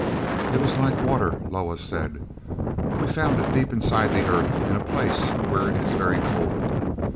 "It was like water," Loah said. "We found it deep inside the earth in a place where it is very cold.